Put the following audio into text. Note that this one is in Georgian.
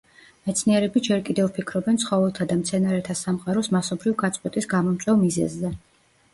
მეცნიერები ჯერ კიდევ ფიქრობენ ცხოველთა და მცენარეთა სამყაროს მასობრივ გაწყვეტის გამომწვევ მიზეზზე.